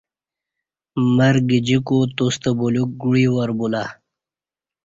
مرگجیکو توستہ بلیوک گوعی وار بلا